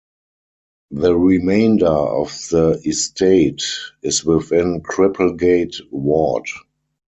The remainder of the estate is within Cripplegate ward.